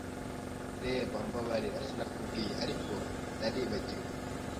Reba, Mbabarira sinakubwiye, ariko naribagiwe.